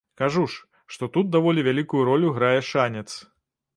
Кажу ж, што тут даволі вялікую ролю грае шанец.